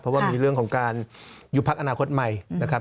เพราะว่ามีเรื่องของการยุบพักอนาคตใหม่นะครับ